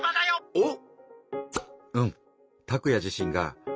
おっ！